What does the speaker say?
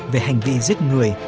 về hành vi giết người